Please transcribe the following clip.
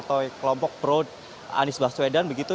atau kelompok pro anies baswedan begitu